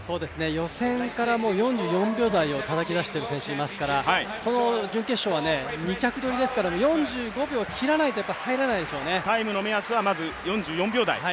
予選から４４秒台をたたき出している選手がいますからこの準決勝は２着取りですから４５秒を切らないと入れないでしょうね。